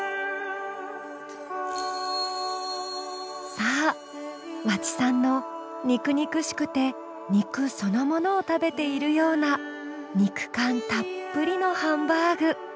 さあ和知さんの肉肉しくて肉そのものを食べているような肉感たっぷりのハンバーグ。